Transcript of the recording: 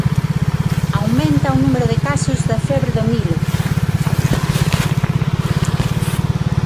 Aumenta o número de casos de febre do Nilo.